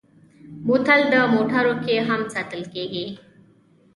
بوتل د موټرو کې هم ساتل کېږي.